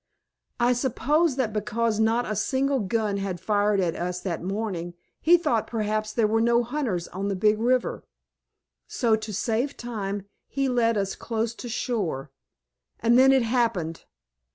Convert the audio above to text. I suppose that because not a single gun had been fired at us that morning he thought perhaps there were no hunters on the Big River. So to save time he led us close to shore. And then it happened.